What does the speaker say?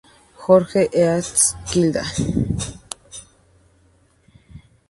George, East St Kilda.